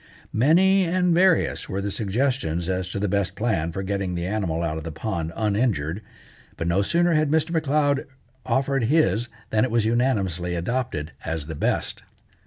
Many and various were the suggestions as to the best plan for getting the animal out of the pond uninjured, but no sooner had Mr. M'Leod offered his than it was unanimously adopted as the best.